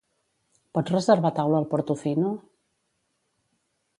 Pots reservar taula al Portofino?